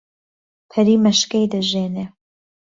پەری مەشکەی دەژێنێ